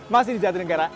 masih di jogja